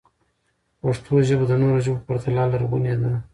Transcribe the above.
پښتو ژبه د نورو ژبو په پرتله لرغونې ده.